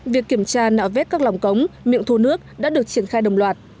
việc kiểm tra nạo vét các lòng cống miệng thu nước đã được triển khai đồng loạt